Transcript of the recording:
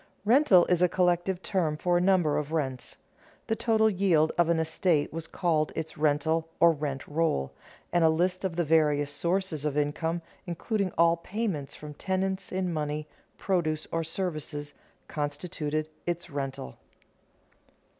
Rental is a collective term for a number of rents. The total yield of an estate was called its rental or rent roll, and a list of the various sources of income, including all payments from tenants in money, produce or services, constituted its rental.